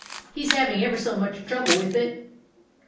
He 's having ever so much trouble with it."